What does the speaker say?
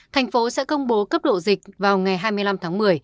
thành phố sẽ công bố cấp độ dịch vào ngày hai mươi năm tháng một mươi